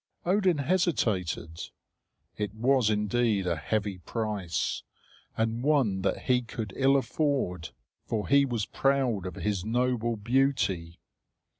Odin hesitated. It was indeed a heavy price, and one that he could ill afford, for he was proud of his noble beauty.